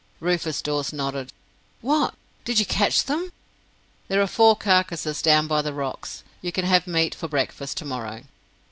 Rufus Dawes nodded. "What! Did you catch them?" "There are four carcases down by the rocks. You can have meat for breakfast to morrow!"